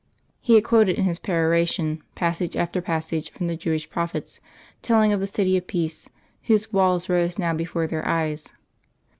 He had quoted in his peroration passage after passage from the Jewish prophets, telling of the City of Peace whose walls rose now before their eyes.